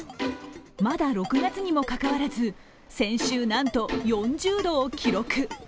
まだ６月にもかかわらず先週なんと４０度を記録。